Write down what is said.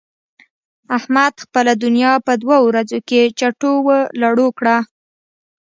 احمد خپله دونيا په دوو ورځو کې چټو و لړو کړه.